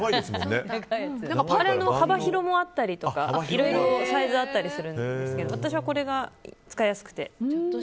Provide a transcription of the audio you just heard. あれの幅広もあったりとかいろいろサイズあったりするんですけど私はこれが使いやすくて。